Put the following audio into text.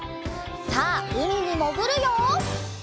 さあうみにもぐるよ！